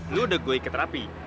lo udah gue ikat rapi